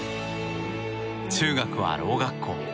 中学はろう学校。